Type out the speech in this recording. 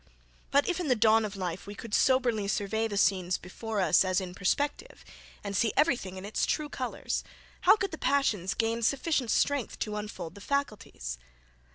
But if, in the dawn of life, we could soberly survey the scenes before us as in perspective, and see every thing in its true colours, how could the passions gain sufficient strength to unfold the faculties?